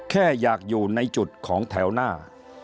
แค่อยากอยู่ในจุดของแถวหน้า